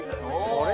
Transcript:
あれ？